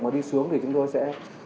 mà đi xuống thì chúng tôi sẽ